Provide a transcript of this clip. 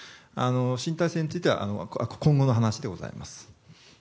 新体制については今後の話でございます。